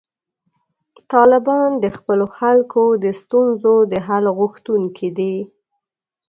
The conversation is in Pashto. طالبان د خپلو خلکو د ستونزو د حل غوښتونکي دي.